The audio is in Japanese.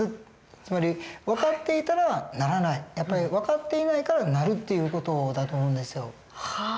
つまり分かっていたらならない分かっていないからなるっていう事だと思うんですよ。